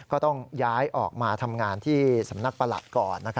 ก็ต้องย้ายออกมาทำงานที่สำนักประหลัดก่อน